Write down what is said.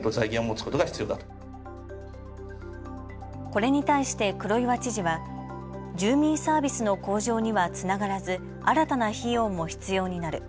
これに対して黒岩知事は住民サービスの向上にはつながらず新たな費用も必要になる。